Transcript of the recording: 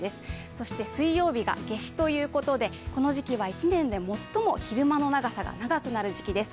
そして水曜日が夏至ということで、この時期は１年で最も昼間の長さが長くなる時季です。